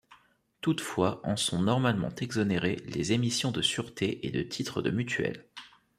Toutefois, en sont normalement exonérées les émissions de sûretés et de titres de mutuelle.